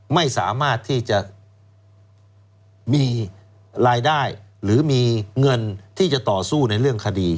ไม่สามารถที่จะมีรายได้หรือมีเงินที่จะต่อสู้ในเรื่องคดี